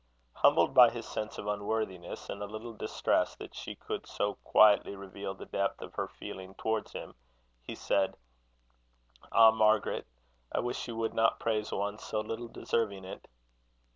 Humbled by his sense of unworthiness, and a little distressed that she could so quietly reveal the depth of her feeling towards him, he said: "Ah, Margaret! I wish you would not praise one so little deserving it."